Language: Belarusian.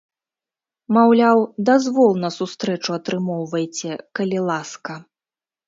Маўляў, дазвол на сустрэчу атрымоўвайце, калі ласка.